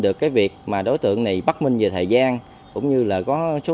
được cái việc mà đối tượng này bất minh về thời gian cũng như là có số lượng tiền của người khác